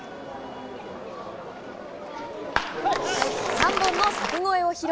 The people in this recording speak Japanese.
３本の柵越えを披露。